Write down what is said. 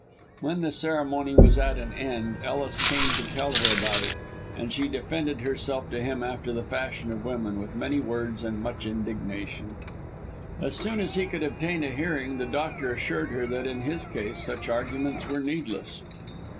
When the ceremony was at an end, Ellis came to tell her about it, and she defended herself to him after the fashion of women, with many words and much indignation. As soon as he could obtain a hearing, the doctor assured her that in his case such arguments were needless.